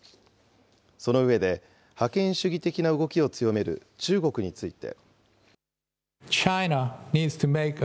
その上で、覇権主義的な動きを強める中国について。